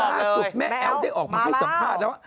ต้องแม่ตอบเลยแม่เอามาแล้วมาแล้ว